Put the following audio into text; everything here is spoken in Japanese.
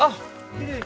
きれい！